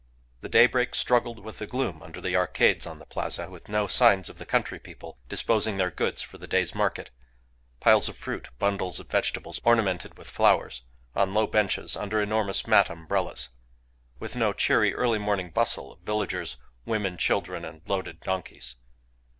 The daybreak struggled with the gloom under the arcades on the Plaza, with no signs of country people disposing their goods for the day's market, piles of fruit, bundles of vegetables ornamented with flowers, on low benches under enormous mat umbrellas; with no cheery early morning bustle of villagers, women, children, and loaded donkeys.